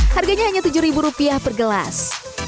harganya hanya tujuh rupiah per gelas